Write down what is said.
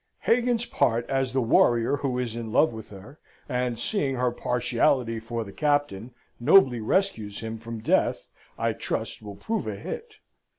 Hagan's part as the warrior who is in love with her, and, seeing her partiality for the captain, nobly rescues him from death, I trust will prove a hit.